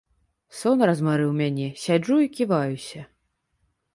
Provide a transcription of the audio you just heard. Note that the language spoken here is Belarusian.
Сон размарыў мяне, сяджу і ківаюся.